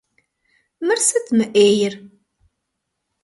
Мыр сыт мы Ӏейр?